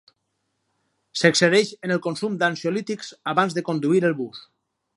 S'excedeix en el consum d'ansiolítics abans de conduir el bus.